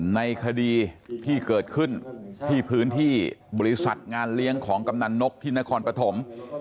ในคดีที่เกิดขึ้นที่พื้นที่บริษัทงานเลี้ยงของกำนันนกที่นครปฐม